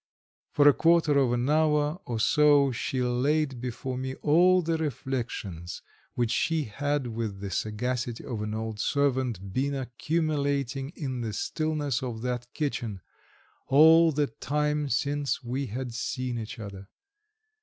For a quarter of an hour or so she laid before me all the reflections which she had with the sagacity of an old servant been accumulating in the stillness of that kitchen, all the time since we had seen each other.